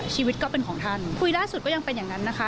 ชีวิตก็เป็นของท่านคุยล่าสุดก็ยังเป็นอย่างนั้นนะคะ